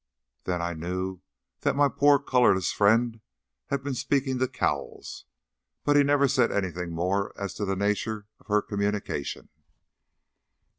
Then I knew that my poor colourless friend had been speaking to Cowles, but he never said anything more as to the nature of her communication.